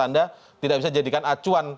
anda tidak bisa jadikan acuan